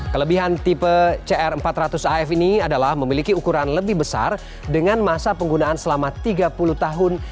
kelebihan tipe cr empat ratus af ini adalah memiliki ukuran lebih besar dengan masa penggunaan selama tiga puluh tahun